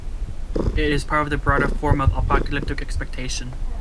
It is part of the broader form of apocalyptic expectation.